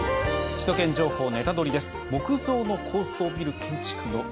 「首都圏情報ネタドリ！」